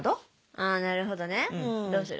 あなるほどねどうする？